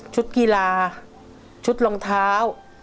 กีฬาชุดรองเท้า